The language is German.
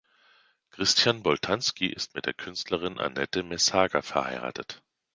Christian Boltanski ist mit der Künstlerin Annette Messager verheiratet.